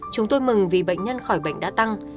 chúng tôi mừng vì bệnh nhân khỏi bệnh đã tăng